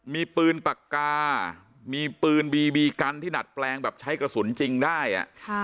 มีปืนปากกามีปืนบีบีกันที่ดัดแปลงแบบใช้กระสุนจริงได้